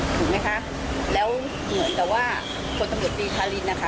ถูกมั้ยคะแล้วเหมือนแต่ว่าคนต่ำหลอดฟรีภาลินทร์นะคะ